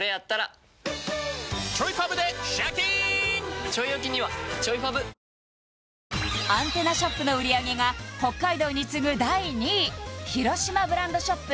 めっちゃおいしいアンテナショップの売り上げが北海道に次ぐ第２位ひろしまブランドショップ